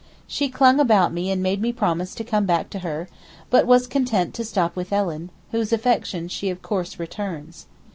She clung about me and made me promise to come back to her, but was content to stop with Ellen, whose affection she of course returns.